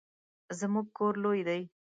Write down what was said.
زمونږ کور لوی دی